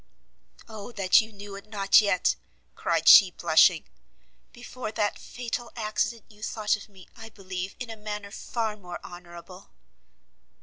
"O that you knew it not yet!" cried she, blushing; "before that fatal accident you thought of me, I believe, in a manner far more honourable."